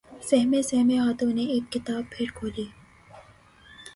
سہمے سہمے ہاتھوں نے اک کتاب پھر کھولی